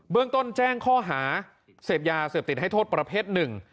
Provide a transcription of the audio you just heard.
เรื่องต้นแจ้งข้อหาเสพยาเสพติดให้โทษประเภทหนึ่ง